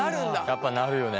やっぱなるよね。